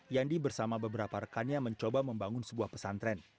yandi bersama beberapa rekannya mencoba membangun sebuah pesantren